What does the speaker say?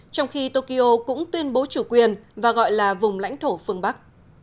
trong khi tokyo cũng tuyên bố chủ quyền và gọi là vùng lãnh thổ phương bắc